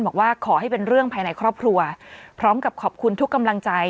บอกว่าขอให้เป็นเรื่องภายในครอบครัวพร้อมกับขอบคุณทุกกำลังใจ